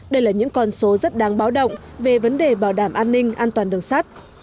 đây là những con số rất đáng báo động về vấn đề bảo đảm an ninh an toàn đường sắt